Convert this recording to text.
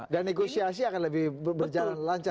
dan negosiasi akan lebih berjalan lancar